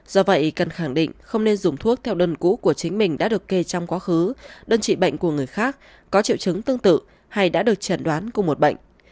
do vậy cần khẳng định không nên dùng thuốc theo đơn cũ của chính mình đã được kê trong quá khứ đơn trị bệnh của người khác có triệu chứng tương tự hay đã được chẩn đoán cùng một bệnh